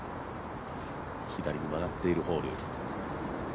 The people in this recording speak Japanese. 左に曲がっているホール。